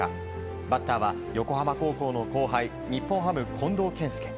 バッターは、横浜高校の後輩日本ハム、近藤健介。